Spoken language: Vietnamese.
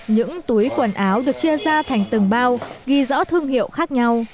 những túi quần áo được chia ra thành từng bao ghi rõ thương hiệu khác nhau